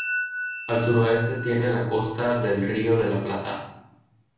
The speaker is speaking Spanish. Al suroeste tiene la costa del Río de la Plata.